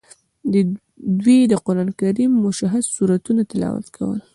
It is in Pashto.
دوی د قران کریم مشخص سورتونه تلاوت کول.